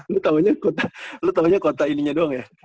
lu tahunya kota lu tahunya kota ininya doang ya